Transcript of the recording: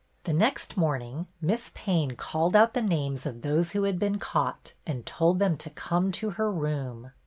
The next morning Miss Payne called out the names of those who had been caught, and told them to come to her 100m.